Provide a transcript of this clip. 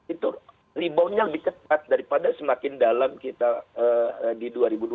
itu reboundnya lebih cepat daripada semakin dalam kita di dua ribu dua puluh